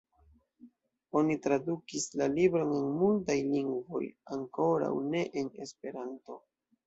Oni tradukis la libron en multaj lingvoj, ankoraŭ ne en Esperanto.